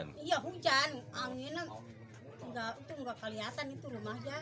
anginnya enggak kelihatan itu rumahnya